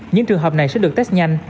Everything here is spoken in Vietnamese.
những trường hợp này sẽ được test nhanh